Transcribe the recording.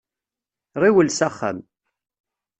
Ɣiwel s axxam.